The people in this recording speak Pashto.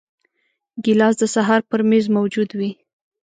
ګیلاس د سهار پر میز موجود وي.